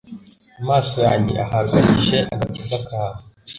Amaso yanjye ahangarije agakiza kawe